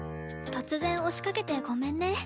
突然押しかけてごめんね。